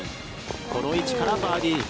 この位置からバーディー。